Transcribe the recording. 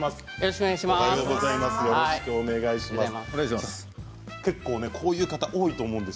よろしくお願いします。